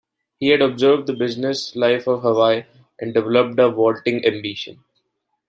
He had observed the business life of Hawaii and developed a vaulting ambition.